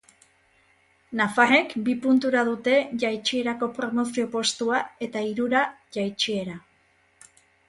Nafarrek bi puntura dute jaitsierako promozio postua eta hirura jaitsiera.